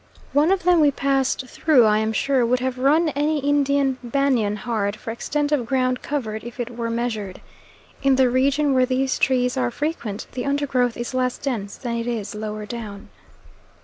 One of them we passed through I am sure would have run any Indian banyan hard for extent of ground covered, if it were measured. In the region where these trees are frequent, the undergrowth is less dense than it is lower down.